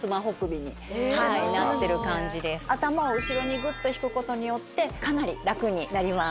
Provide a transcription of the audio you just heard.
頭を後ろにぐっと引くことによってかなり楽になります。